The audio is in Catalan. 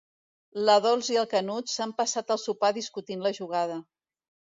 La Dols i el Canut s'han passat el sopar discutint la jugada.